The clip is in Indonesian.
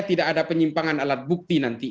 tidak ada penyimpangan alat bukti nanti